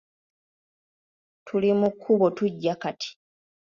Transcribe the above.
Tuli mu kkubo tujja kati.